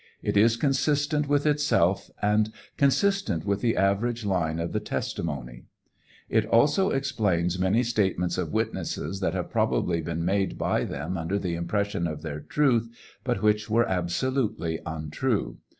It is consistent with itself, and consistent with the average line of the testi 712 TEIAL OF HENEY WIRZ. moiiy. It also explains many statements of witnesses that have probably been made by them under the impression of their truth, but which were absolutely untrue.